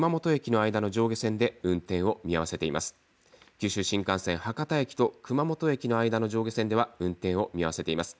九州新幹線は博多駅と熊本駅の間の上下線で運転を見合わせています。